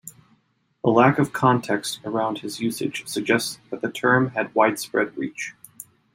The lack of context around his usage suggests that the term had widespread reach.